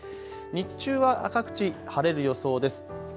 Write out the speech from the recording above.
日中は各地、晴れる予想です。